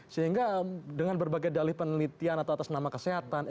sehingga dengan berbagai dalih penelitian atau atas nama kesehatan